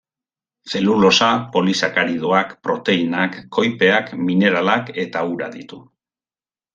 Zelulosa, polisakaridoak, proteinak, koipeak, mineralak eta ura ditu.